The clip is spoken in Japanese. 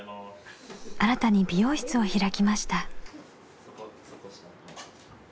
新たに美容室を開きました。